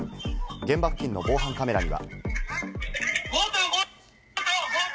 現場付近の防犯カメラには。